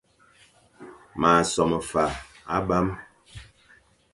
M a som fa abam,